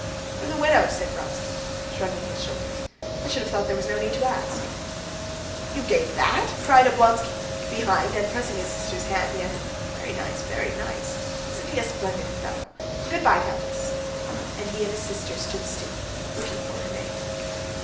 "For the widow," said Vronsky, shrugging his shoulders. "I should have thought there was no need to ask." "You gave that?" cried Oblonsky, behind, and, pressing his sister's hand, he added: "Very nice, very nice! Isn't he a splendid fellow? Good bye, countess." And he and his sister stood still, looking for her maid.